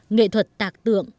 nghệ thuật tạc tượng